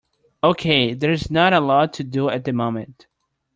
Okay, there is not a lot to do at the moment.